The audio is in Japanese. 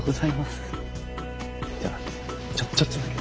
じゃあちょっとだけ。